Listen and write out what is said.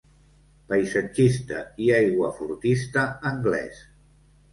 Paisatgista i aiguafortista anglès.